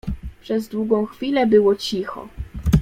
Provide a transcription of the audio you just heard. "Przez długą chwilę było cicho."